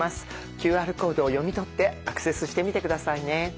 ＱＲコードを読み取ってアクセスしてみて下さいね。